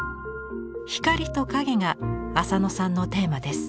光と影が浅野さんのテーマです。